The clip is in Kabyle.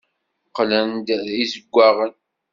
Qqlen d izewwaɣen.